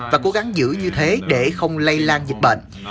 và cố gắng giữ như thế để không bị bỏ lỡ